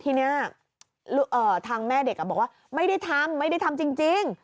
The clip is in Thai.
ที่นี้เอ่อทางแม่เด็กอะบอกว่าไม่ได้ทำไม่ได้ทำจริงจริง